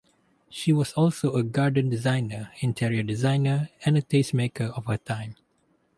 She was also a garden designer, interior designer, and a taste-maker of her time.